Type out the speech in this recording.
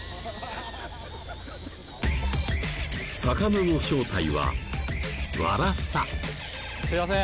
魚の正体はワラサすいません